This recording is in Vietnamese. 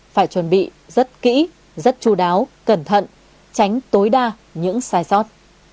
phải chuẩn bị rất kỹ rất chú đáo cẩn thận tránh tối đa những sai sót